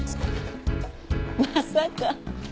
まさか。